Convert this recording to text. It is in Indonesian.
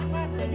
ada apa ya